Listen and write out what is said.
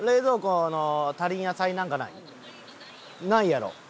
今ないやろ？